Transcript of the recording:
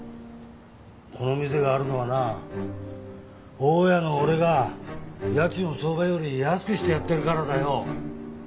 この店があるのはな大家の俺が家賃を相場より安くしてやってるからだよ。